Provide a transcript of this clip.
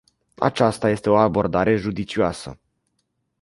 Aceasta ar fi o abordare judicioasă.